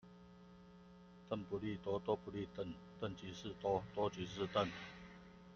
鄧不利多，多不利鄧，鄧即是多，多即是鄧